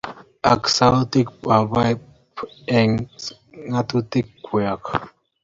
Ak sauot boiyet eng ngatinweguk